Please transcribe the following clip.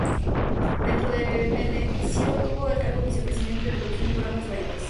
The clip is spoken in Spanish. Dentro de Venevisión tuvo el cargo vice-presidente de producción de programas de variedades.